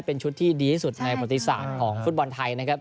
เป็นชุดที่ดีที่สุดในประติศาสตร์ของฟุตบอลไทยนะครับ